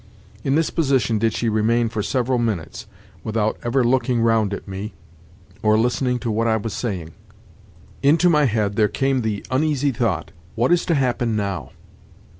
In this position did she remain for several minutes, without ever looking round at me, or listening to what I was saying. Into my head there came the uneasy thought: What is to happen now?